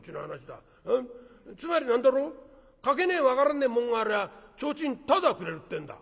つまり何だろう描けねえ分からねえ紋がありゃ提灯ただくれるってんだ」。